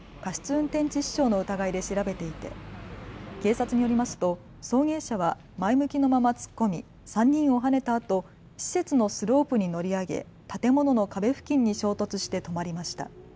運転致死傷の疑いで調べていて警察によりますと送迎車は前向きのまま突っ込み３人をはねたあと施設のスロープに乗り上げ建物の壁付近に衝突して止まりました。